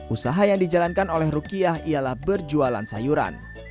usaha yang dijalankan oleh rukiah ialah berjualan sayuran